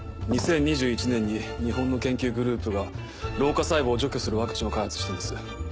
２０２１年に日本の研究グループが老化細胞を除去するワクチンを開発したんです。